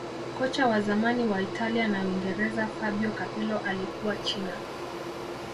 kocha wa zamani wa italia na uingereza fabio capello alikuwa china